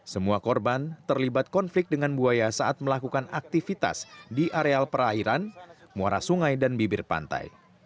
semua korban terlibat konflik dengan buaya saat melakukan aktivitas di areal perairan muara sungai dan bibir pantai